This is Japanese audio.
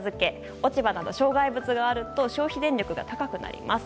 落ち葉など障害物があると消費電力が高くなります。